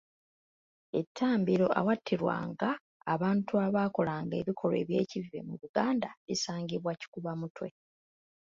Ettambiro ewattirwanga abantu abaakolanga ebikolwa eby’ekivve mu Buganda lisangibwa Kikubamutwe.